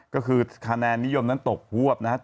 ก็คือคะแนนนิยมนั้นตกฮวบนะครับ